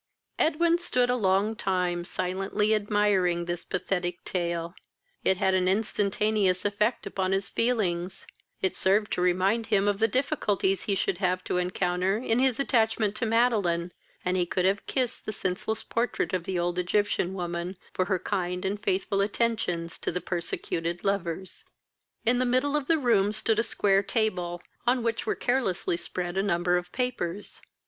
Edwin stood a long time, silently admiring this pathetic tale: it had an instantaneous effect upon his feelings; it served to remind him of the difficulties he should have to encounter in his attachment to Madeline, and he could have kissed the senseless portrait of the old Egyptian woman for her kind and faithful attentions to the persecuted lovers. In the middle of the room stood a square table, on which were carelessly spread a number of papers.